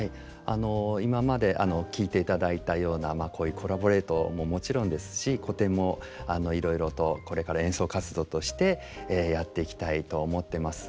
今まで聴いていただいたようなこういうコラボレートももちろんですし古典もいろいろとこれから演奏活動としてやっていきたいと思ってます。